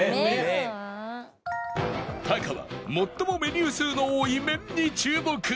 タカは最もメニュー数の多い麺に注目